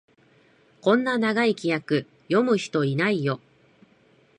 こんな長い規約、読む人いないよ